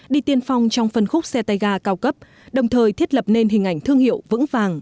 đi tiên phong trong phân khúc xe tay ga cao cấp đồng thời thiết lập nên hình ảnh thương hiệu vững vàng